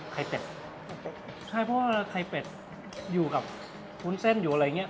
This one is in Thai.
ไข่เป็ดไข่เป็ดใช่เพราะว่าไข่เป็ดอยู่กับวุ้นเส้นอยู่อะไรอย่างเงี้